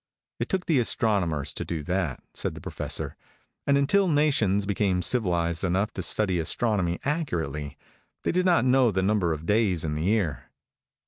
"It took the astronomers to do that," said the Professor; "and until nations became civilized enough to study astronomy accurately, they did not know the number of days in the year.